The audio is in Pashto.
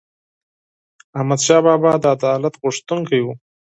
احمدشاه بابا د عدالت غوښتونکی و.